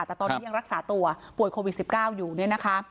แต่ตอนนี้ยังรักษาตัวป่วยโควิด๑๙อยู่เนี่ยนะคะ